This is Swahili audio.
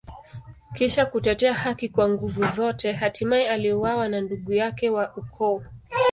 Kisha kutetea haki kwa nguvu zote, hatimaye aliuawa na ndugu yake wa ukoo.